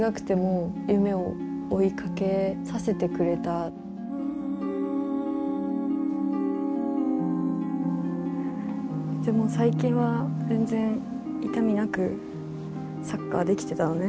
結局そういうふうに最近は全然痛みなくサッカーできてたのね？